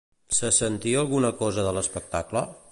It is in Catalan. Se sentia alguna cosa de l'espectacle?